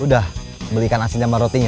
sudah beli ikan asin jambal rotinya